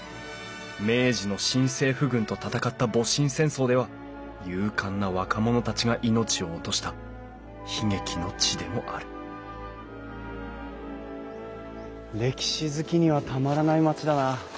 明治の新政府軍と戦った戊辰戦争では勇敢な若者たちが命を落とした悲劇の地でもある歴史好きにはたまらない町だな。